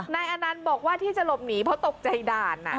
นายอนันต์บอกว่าที่จะหลบหนีเพราะตกใจด่าน